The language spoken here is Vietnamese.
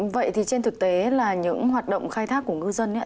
vậy thì trên thực tế là những hoạt động khai thác của ngư dân